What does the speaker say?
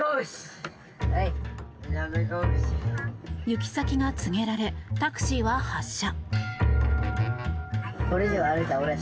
行き先が告げられタクシーは発車。